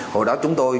hồi đó chúng tôi